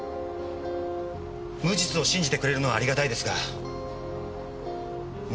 無実を信じてくれるのはありがたいですがもう結構です。